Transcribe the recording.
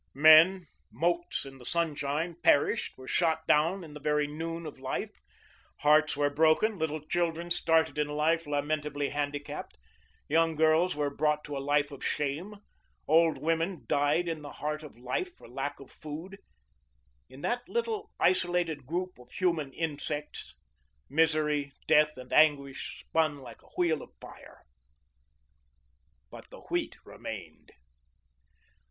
Men motes in the sunshine perished, were shot down in the very noon of life, hearts were broken, little children started in life lamentably handicapped; young girls were brought to a life of shame; old women died in the heart of life for lack of food. In that little, isolated group of human insects, misery, death, and anguish spun like a wheel of fire. BUT THE WHEAT REMAINED.